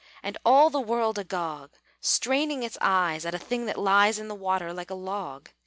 And all the world agog Straining its eyes At a thing that lies In the water, like a log!